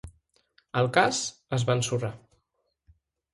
El cas es va ensorrar.